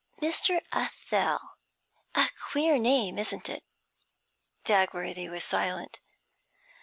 'Mr. Athel a queer name, isn't it?' Dagworthy was silent.